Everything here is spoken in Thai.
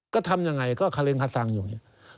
ก็ทำยังไงก็เครนคสังอยู่อย่างนี้